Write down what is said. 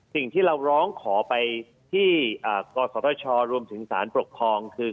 สิ่งที่เราร้องขอไปที่กศชรวมถึงสารปกครองคือ